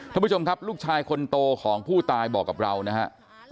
ท่านผู้ชมครับลูกชายคนโตของผู้ตายบอกกับเรานะครับ